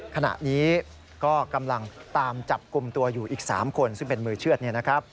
ขณะนี้ก็กำลังตามจับกลุ่มตัวอยู่อีก๓คนซึ่งเป็นมือเชื่อดเนี่ยนะครับ